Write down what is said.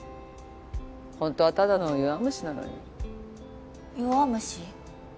本当はただの弱虫なのに弱虫？